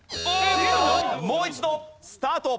もう一度スタート。